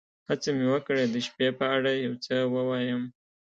هڅه مې وکړه د شپې په اړه یو څه ووایم.